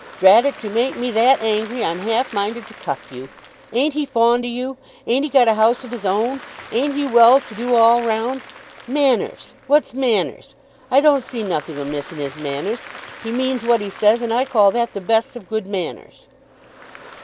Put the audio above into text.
"Drat it, you make me that angry I'm half minded to cuff you. Ain't he fond o' you? Ain't he got a house of his own? Ain't he well to do all round? Manners! What's manners? I don't see nothing amiss in his manners. He means what he says, and I call that the best of good manners."